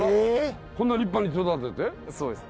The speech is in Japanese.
こんな立派に育てて？